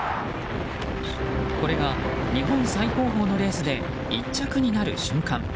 これが日本最高峰のレースで１着になる瞬間。